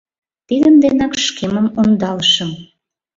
Тидын денак шкемым ондалышым.